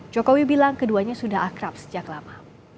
jokowi bilang keduanya sudah akrab sejak lama